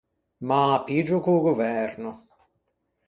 M’â piggio co-o governo.